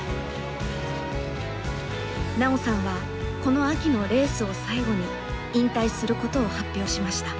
奈緒さんはこの秋のレースを最後に引退することを発表しました。